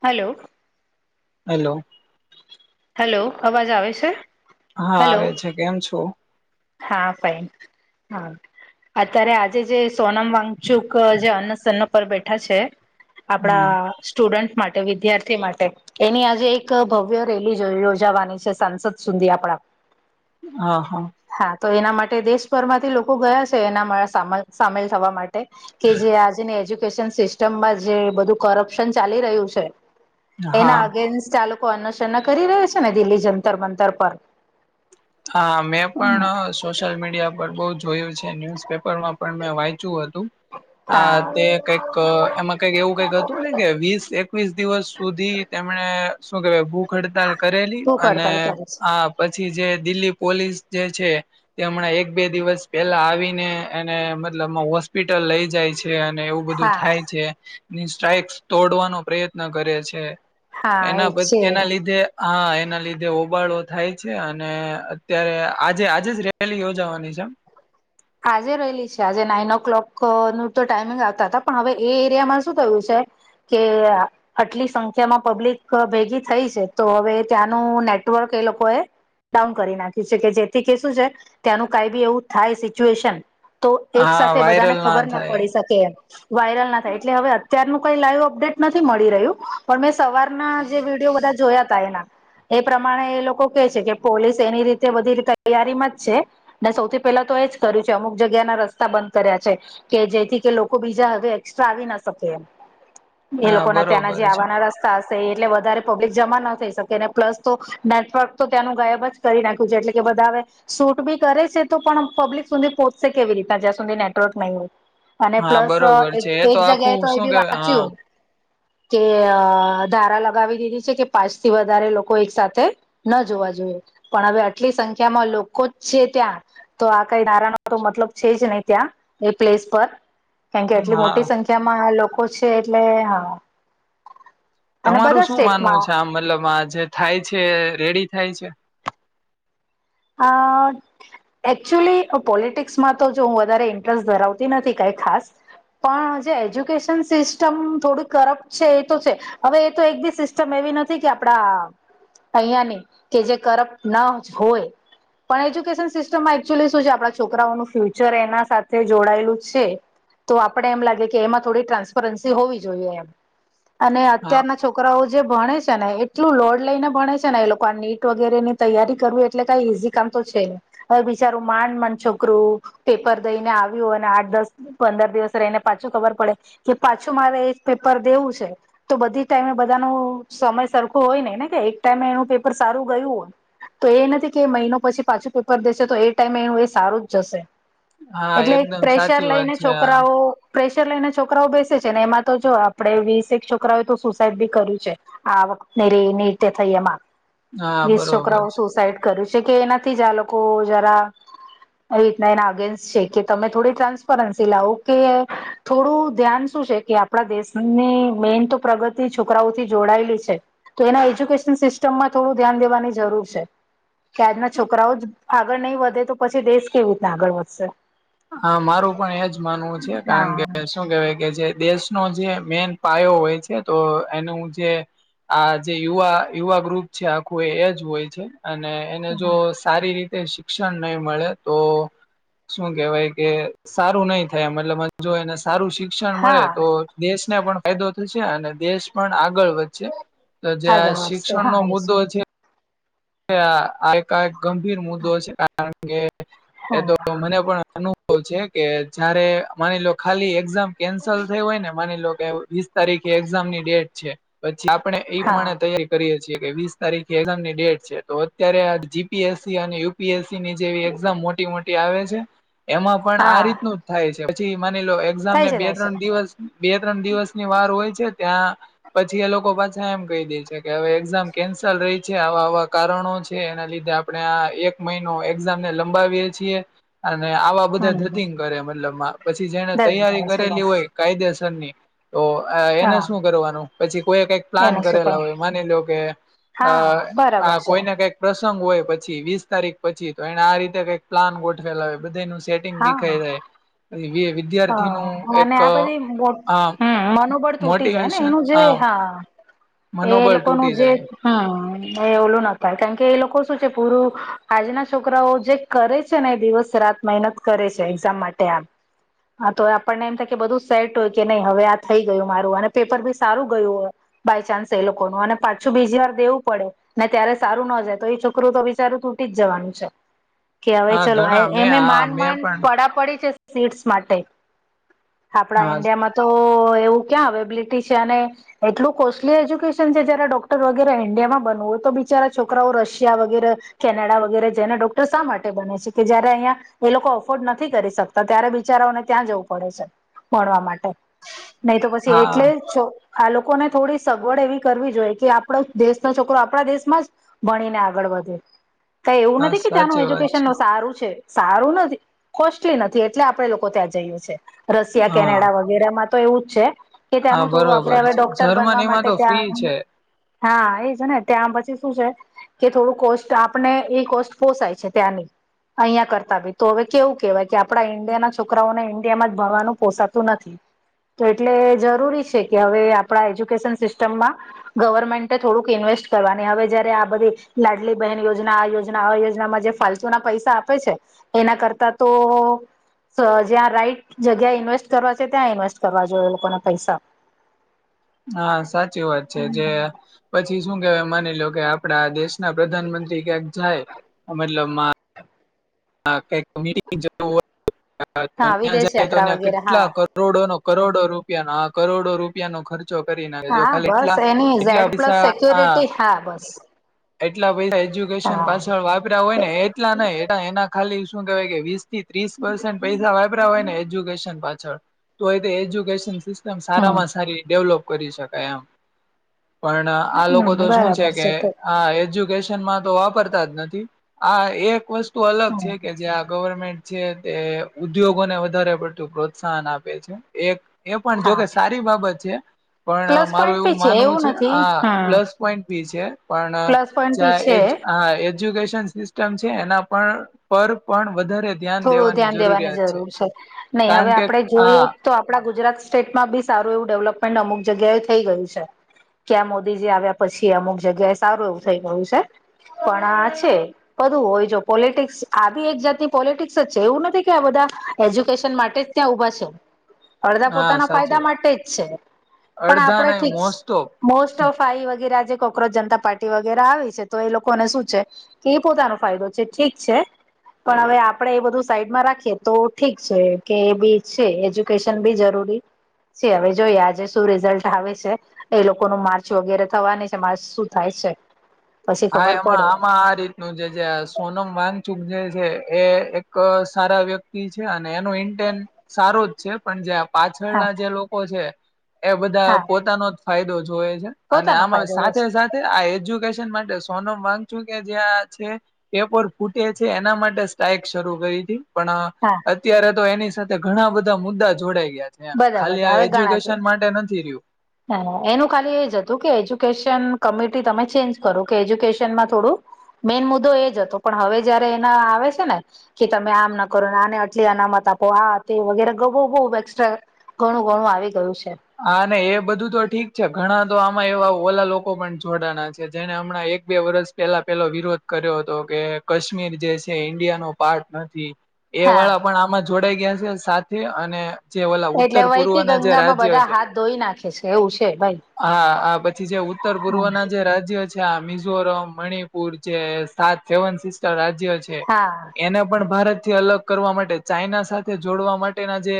Hello! Hello! Hello, અવાજ આવે છે? હા હલો આવે છે. કેમ છો? હા, ફાઇન! હા અત્યારે આજે જે સોનમ વાગચુક જે અન્ન સન્ન પર બેઠા છે. હા આપણા સ્ટુડન્ટ માટે વિદ્યાર્થી માટે એની આજે એક ભવ્ય. રેલી યોજાવાની છે સાંસદ સુધી આપડા. હ હા! હા, તો એના માટે દેશભરમાંથી લોકો ગયા છે એનામાં સામિલ સામેલ થવા માટે. કે જે આજની એજ્યુકેશન સિસ્ટમમાં જે બધું કરપ્શન ચાલી રહ્યું છે. હા એના અગેન્સ્ટ આ લોકો અન્નશન્ન કરી રહ્યા છે ને દિલ્હી જંતર મંતર પર. હા, મેં પણ. સોશિયલ મીડિયા પર બહુ જોયું છે. ન્યુઝપેપર માં પણ મેં વાંચ્યું હતું. આ હા તે કઈક એમાં કઈક એવું કઈક હતું ને કે વીસ એકવીસ દિવસ સુધી. તેમણે શું કેવાય ભૂખ હડતાલ કરેલી ભૂખ અને હડતાલ કરે છે આ પછી જે. દિલ્હી પોલીસ જે છે. તે હમણાં એક બે દિવસ પેલા આવીને એને મતલબ હોસ્પિટલ લઈ જાય છે. છે અને એવું બધું હા થાય છે સ્ટ્રાઈક્ તોડવાનો પ્રયત્ન કરે છે. હા એના એ છે એના લીધે હા એના લીધે હોબાળો થાય છે. અને અત્યારે આજે આજે જ રેલી યોજાવાની છે એમ આજે રહેલી છે આજે નાઈન ઓ ક્લોક નું તો ટાઈમિંગ આવતા હતા પણ હવે એ એરિયામાં શું થયું છે? કે આટલી સંખ્યામાં પબ્લિક ભેગી થઈ છે તો હવે ત્યાંનું નેટવર્ક એ લોકો એ ડાઉન કરી નાખ્યું છે કે જેથી કે શું છે ત્યાંનું કઈ બી એવું થાય તો એક હા સાથે બધાને વાયરલ ખબર ના થાય પડી શકે એ વાયરલ ના થાય એટલે હવે અત્યારનું કઈ લાઈવ અપડેટ નથી મળી રહ્યું પણ મેં સવારના જે વિડીયો બધા જોયા એ પ્રમાણે એ લોકો કે છે કે પોલીસ એની રીતે બધી રીતે તૈયારીમાં જ છે. ને સૌથી પેલા તો એજ કર્યું છે અમુક ના રસ્તા બંધ કર્યા છે. કે જેથી કે લોકો બીજા હવે એક્સ્ટ્રા આવી ના શકે એમ. એ હા લોકો ના તયાના બરોબર જે છે આવવાના એટલે વધારે પબ્લિક જમા ન થઈ શકે અને પ્લસ તો નેટવર્ક તો ત્યાંનું ગાયબ જ કરી નાખ્યું છે એટલે કે બધા આવે શૂટ બી કરે છે તો પણ પબ્લિક સુધી પહોચશે કેવી રીતના જ્યા સુધી નેટવર્ક નહી હોય. અને હા પ્લસ બરોબર છે એ એક જગ્યાએ આખું તો એ શું બી કેવાય વાંચ્યું હા કે ધારા લગાવી દીધી છે કે પાંચ થી વધારે લોકો એક સાથે ના જોવા જોઈએ પણ હવે આટલી સંખ્યામાં લોકો જ છે ત્યાં તો ક નારા ન તો મતલબ છે જ નહી ત્યાં એ પ્લેસ પર કેમ કે આટલી હા મોટી સંખ્યા જેમાં લોકો છે એટલે હા અને તમારું બધા શું માનવું સ્ટેટમાં છે આમ મતલબ આ જે થાય છે રેડી થાય છે? હ એચ્યુઅલી પોલિટિક્સમાં તો જો હું વધારે ઇન્ટરેસ્ટ ધરાવતી નથી કઈ ખાસ પણ જે એજ્યુકેશન સિસ્ટમ થોડી કરપ્ટ છે એ તો છે. હવે એ તો એક બી સિસ્ટમ એવી નથી કે આપણા ને કે કરપ્ટ ના જ હોય પણ એજ્યુકેશન સિસ્ટમમાં એકચુઅલી શું છે આપણા છોકરાઓનું ફ્યુચર એના સાથે જોડાયેલું છે. તો આપણેે એમ લાગે કે એમાં થોડી ટ્રાન્સપરન્સી હોવી જોઈએ એમ અને હા અત્યારના છોકરાઓ જે ભણે છે ને એટલું લોડ લઈને ભણે છે ને એ લોકો આ નીટ વગેરે ની તૈયારી કરવી એટલે ઈઝી કામ તો છે ને હવે બિચારું માંડ ન છોકરું પેપર દઈને આવ્યું અને આઠ દસ પંદર દિવસ રહીને પાછું ખબર પડે કે પાછું મારે એક પેપર દેવું છે. તો બધી ટાઈમે બધા ન સમય સરખો હોય ને ને કે એક ટાઈમે એનું પેપર સારું ગયું હોય. તો એ નથી કે મહિનો પછી પાછું પેપર દેશે તો એ ટાઈમે એનું એ સારું જ જશે. હા એક એકદમ પ્રેશર સાચી વાત લઈને છે હા છોકરાઓ પ્રેશર લઈને છોકરાઓ બેસે છે ને એમાં તો જો આપડે વીસે એક છોકરાઓય તો સુસાઈડ બી કર્યું છે. આ વખત રે ની રીતે થઈ એમાં હા વીસ બરોબર છોકરાઓ છે સુસાઈડ કર્યું છે કે એનાથી જ આ લોકો જરા એ રીતના એના અગેન્સ્ટ છે કે તમે થોડી ટ્રાન્સપરન્સી લાવો કે થોડું શું છે કે આપણા દેશની મેઈન તો છોકરાઓથી જોડાયેલી છે. તો એના એજ્યુકેશન સિસ્ટમમાં થોડું ધ્યાન દેવાની જરૂર છે. કે આજના છોકરાઓ જ આગળ નહીં વધે તો પછી દેશ કેવી રીતના આગળ વધશે. હા મારું પણ એજ માનવું છે કારણ કે હા શું કેવાય કે જે દેશનો જે મેન પાયો હોય છે તો એનું જે આ જે યુવા યુવા ગ્રુપ છે આખું એ એ જ હોય છે અને એને જો સારી રીતે શિક્ષણ નહી મળે તો શું કેવાય કે સારું નહી થાય મતલબમા જો એને સારું શિક્ષણ મળે હા તો દેશને પણ ફાયદો થશે અને દેશ પણ આગળ વધ છે તો જ્યાં આગળ વધશે શિક્ષણ હા નો આવીશ મુદ્દો છે આ એકા એક ગંભીર મુદ્દો કારણ કે એ તો હા મને પણ અનુભવ છે કે જયારે માની લો ખાલી એક્ઝામ કેન્સલ થઈ હોય, ને માની લો કે, વીસ તારીખે એક્ઝામની ડેટ છે. પછી, આપણે ઈ હા પ્રમાણે તૈયારી કરીએે છીએ. કે વીસ તારીખે એકઝામની ડેટ- -છે. તો અત્યારે આ જીપીએસસી અને યુપીએસસી ની જેવી એક્ઝામ મોટી મોટી આવે છે. એમાં પણ આ હા રીતનું જ થાય છે. પછી માની લો થાય એક્ઝામને છે બે થાય છે ત્રણ દિવસ- બે ત્રણ દિવસની વાર હોય છે ત્યાં- -પછી એ લોકો પાછા એમ કહી દે છે, કે હવે એક્ઝામ કેન્સલ રહી છે. આવા આવા- -કારણો છે, એના લીધે આપણે આ એક મહિનો એક્ઝામને લંબાવીએ છીએ. અને આવા- -બધા હમ ધતિંગ કરે, મતલબ પછી, જેને દરેક તૈયારી કરે છે કરેલી બસ હોય કાયદેસરની- -તો એને હા શું કરવાનું? પછી કોઈ કંઈક પ્લાન એને શું કરેલા કરું હોય, માની લો કે- અ હા. આ બરાબર છે કોઈને -કઈક પ્રસંગ હોય પછી, વીસ તારીખ પછી તો એને આ રીતે કઈક પ્લાન ગોઠવેલા હોય, બધાયનું સેટ- -ટિંગ વિખાય જાય. પહી- હ અને, આ બધી આ હમ મનોબળ તૂટી જાયને? મોટિવેશન એનું જે આ હા- એ મનોબળ લોકોનું તૂટી જે- જાય હમ એ ઓલું ન થાય, કારણ કે એ લોકો શું છે, પૂરું આજના છોકરાઓ જે- -કરે છે ને, એ દિવસ રાત મહેનત કરે છે. એક્ઝામ માટે આમ- હા તો આપણને એમ થાય કે, બધું સેટ હોય કે, નહી હવે આ થઈ ગયું મારું. અને પેપર બી સારું ગયું હોય. -બાય ચાન્સ એ લોકો નું, અને પાછું બીજી વાર દેવું પડે. -ને ત્યારે સારું ન જાય, તો એ છોકરું તો બિચારું તૂટી જ જવાનું છે. કે હવે હા ચલો, ઘણા એમા મેં ય હા માન મેં માન પણ પડા પડી છે સીટ્સ માટે આપણા હા ઈન્ડિયામાં તો એવું ક્યાં અવેબિલિટી છે, અને- એટલું કોસ્ટલી એજ્યુકેશન છે, જ્યારે ડોક્ટર વગેરે ઇન્ડિયામાં બનવું હોય, તો બિચારા છોકરાઓ રશિયા વગેરે- કેનેડા, વગેરે જઈને ડોક્ટર શા માટે બને છે? કે જયારે અહિયા- એ લોકો અફોર્ડ નથી કરી શકતા, ત્યારે બિચારાઓને- ત્યાં જવું પડે છે, ભણવા માટે, નહી તો પછી હા એટલે છો- આ લોકોને થોડી સગવડ એવી કરવી જોઈએ કે, આપણો દેશનો છોકરો આપણા દેશમાં જ - -ભણીને આગળ વધે. -કઈ એવું હા નથી કે ત્યાંનું સાચી વાત એજ્યુકેશન છે સારું છે, સારું નથી, કોસ્ટલી નથી, એટલે આપડે લોકો ત્યાં- -જઈએ છે રશિયા, હા કેનેડા વગેરેમાં તો એવું જ છે. -કે હા ત્યાંનું થોડું, આપડે બરોબર અવે છે ડોક્ટર બનવા જર્મનીમાં માટે તો ફ્રી ત્યાં- છે હા, એ છે ને ત્યાં પછી શું છે? -કે થોડું કોસ્ટ આપને એ કોસ્ટ પોસાય છે ત્યાંની. અહિયા કરતા ભી, તો હવે કેવું કેવાય કે, આપણા ઈન્ડિયાના છોકરા- -છોકરાઓને ઈન્ડિયામાં જ ભણવાનું પોસાતું નથી. -તો એટલે જરૂરી છે કે, હવે આપણા એજ્યુકેશન સિસ્ટમમાં- -ગવર્મેન્ટ થોડુંક ઈન્વેસ્ટ કરવાની, હવે જયારે આ બધી લાડલી બહેન યોજના, આ યોજના આ યોજનામાં જે ફાલતું- -ના પૈસા આપે છે. એના કરતા તો- -જ્યાં રાઈટ જગ્યા ઇન્વેસ્ટ કરવા છે, ત્યાં ઇન્વેસ્ટ કરવા જોઈએ એ લોકોના પૈસા. હા, સાચી વાત છે કે જે- પછી શું કેવાય, માની લો કે આપડા દેશના પ્રધાનમંત્રી ક્યાંક જાય મતલબમા- હા, કઈક મિટિંગ જાવું હોય, હા ત્યાં વિદેશ જાય તો યાત્રા ત્યાં વગેરે કેટલા હા કરો- -કરોડો નો કરોડો રૂપિયા નો આ કરોડો રૂપિયાનો ખર્ચ- -ચો કરી નાખીને જો હા ખાલી એટલા બસ એની એટલા ઝેડ પ્લસ પૈસા આ- સિક્યોરિટી હા બસ -એટલા પૈસા એજ્યુકેશન હા પાછળ વાપ- -હોય ને. એટલા ન એના ખાલી શું કેહેવાય કે વિસ્. - ત્રીસ પર્સન પૈસા વાપર્યા હોય ને એજ્યુકેશન પાછળ, તોયતે એ એજ્યુકેશન, એકદમ હમ સારામાં સારી ડેવલોપ કરી શકાય એમ., પણ આ લોકો હમ તો શું છે બરાબર કે?, તો આ એજ્યુકેશનમાં તો વાપરતા જ નથી. આ એક વસ્તુ અલગ., હમ છે કે જે આ ગવર્મેન્ટ છે. તે ઉદ્યોગોને વધારે પડતું પ્રોત્સાહન આપે છે. એક, એ પણ હા જોકે સારી બાબત છે. પણ પ્લસ મારું પોઈન્ટ બી એવું માનવું છે, નથી આ હમ પ્લસ., પોઇન્ટ બી છે પણ પ્લસ પોઈન્ટ બી છે જ્યાં આ એજ્યુકેશન, સિસ્ટમ છે એના પર પણ વધારે, થોડુ ધ્યાન દેવાની જરૂર છે. નહી હવે કારણ કે આપડે જોઈએ, હા તો આપણા ગુજરાત સ્ટેટમાં બી સારું એવું ડેવલપમેન્ટ અમુક જગ્યાએ થઈ ગયું છે., ક્યાં મોદીજી આવ્યા પછી, અમુક જગ્યાએ સારું એવું થઇ ગયું છે., પણ આ છે. બધું હોય જો પોલિટિક્સ આવી એક જાતિ., પોલિટિક્સ જ છે એવું નથી કે આ બધા એજ્યુકેશન માટેજ ત્યાં ઊભા છે, અડધા હા પોતાના ફાયદા સાચી વાત માટે જ છે. પણ અડધા આપડે નહી ઠીક., મોસ્ટ ઓફ મોસ્ટ ઓફ આઈ વગેરે જે કોકરોજ જનતા પાર્ટી વગેરે આવી છે. તો એ લોકોને શું છે? કે એ પોતાનો ફાયદો છે ઠીક છે, પણ હવે આપણેે એ બધું સાઈડમાં રાખીએ તો ઠીક છે. કે એ બી છે. એજ્યુકેશન બી જરૂરી, હવે જોઈએ. આજે શું રિઝલ્ટ આવે છે., એ લોકોનું માર્ચ વગેરે થવાની છે. માર્ચ શું થાય છે?, પછી હા ખબર એમાં પડે આમાં આ રીતે, નું જે સોનમ વાગચુક જે છે, એ એક સારા વ્યક્તિ છે. અને એનું ઇન્ટેન, સારું જ છે, પણ જ્યાં હા પાછળના જે લોકો છે. એ બધા હા પોતાનો જ ફાયદો જોવે છે., અને પોતાનો આમાં ફાયદો સાથે રહેશે સાથે આ એજ્યુકેશન માટે સોનમ વાંગચુક જેં આ છે., પેપર ફૂટે છે. એના માટે સ્ટઇક શરૂ કરી હતી., પણ હા અત્યારે તો એની સાથે ઘણા બધા મુદ્દા જોડાઈ ગયા છે, બધા ખાલી બધા આ હવે ઘણા છે એજ્યુકેશન માટે નથી રયુ, હા! એનું ખાલી એ જ હતું, કે એજ્યુકેશન કમિટી તમે ચેન્જ કરો. કે એજ્યુકેશનમાં થોડું., મેઈન મુદ્દો એજ હતો પણ હવે જ્યારે એના આ આવે છે ને, કે તમે આમ ના કરો ને આને આટલી અનામત આપો. આ તે વગેરે ઘણું બધું બહુ એક્સ્ટ્રા, ઘણું ઘણું આવી ગયું છે, હા ને એ બધું તો ઠીક છે ઘણા, તો આમાં એવા ઓલા લોકો પણ જોડાણા છે. જેને હમણાં એક બે વર્ષ પેલા પેલો વિરોધ., કર્યો હતો કે, કાશ્મીર જે છે. ઈન્ડિયા નો પાર્ટ નથી., એ હા વાળા પણ આમાં જોડાઈ ગયા છે. સાથે અને જે ઓલા એટલે ઉત્તર પૂર્વ વહીતી ના જે ગંગામાં રાજ્ય બધા છે., હાથ ધોઈ નાખે છે એવું છે ભાઈ હા! આ પછી જે ઉત્તર પૂર્વના જે રાજ્ય., મિઝોરમ, મણિપુર જે સાત સેવન સિસ્ટર રાજ્ય છે., હા એને પણ ભારત થી અલગ કરવા માટે, ચાઈના સાથે જોડવા માટેના જે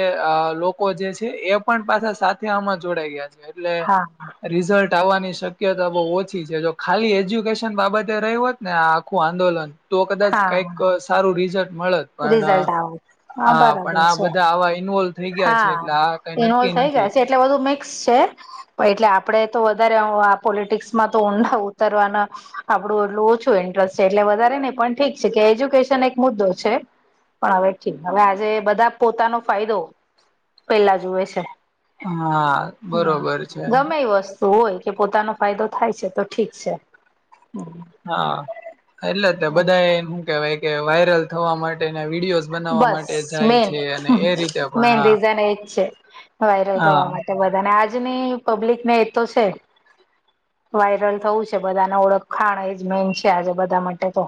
લોકો જે છે. એ, પણ પાછા સાથે આમાં જોડાઈ ગયા છે એટલે, હા રિઝલ્ટ આવવાની શક્યતા બહુ ઓછી છે. જો ખાલી એજ્યુકેશન બાબતે રહી હોત ને આ આખું આંદોલન., તો કદાચ કઈક હા સારું રિઝલ્ટ મળેત., પણ રિઝલ્ટ આવે હા પણ બરાબર આ છે બધા આવા ઈન્વોલ્વ થઈ ગયા છે. એટલે હા આ કઈ ઇન્વોલ્વ નક્કી થઈ નથી., ગયા છે એટલે બધું મિક્સ છે, પણ એટલે આપણેે તો વધારે આ પોલિટિક્સ માં તો ઊંડા ઉતરવાના., આપડું એટલું ઓછું ઇન્ટરેસ્ટ છે. એટલે વધારે નહી, પણ ઠીક છે કે એજ્યુકેશન એક મુદ્દો છે. પણ હવેથી, હવે આજે બધા પોતાનો ફાયદો પેલા જુએ છે. હા, બરોબર છે. તો હોય કે પોતાનો ફાયદો થાય છે તો ઠીક છે. હમ હા, એટલે જ ને બધા એમ હું કેવાય કે વાયરલ થવા માટેના વિડીયો બસ મેન રીતે પણ મેન હા રીઝન એજ છે. વાયરલ થવા હા માટે તે બધાને આજની પબ્લિકને એ તો છે. વાયરલ થવું છે બધાને, ઓળખાણજ મેન છે આજે બધા માટે તો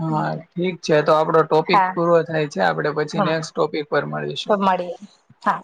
હા, ઠીક છે તો આપડો ટોપિક હા પુરો થાય છે. આપણે પછી હા નેક્સ્ટ ટોપિક પર તો મળીશું. મળીએ હા